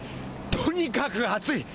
とにかく暑い。